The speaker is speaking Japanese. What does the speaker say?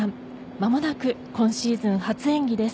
間もなく今シーズン初演技です。